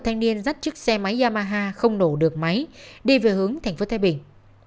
thành niên dắt chiếc xe máy yamaha không nổ được máy đi về hướng tp thái bình